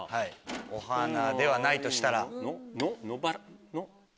「おはな」ではないとしたら。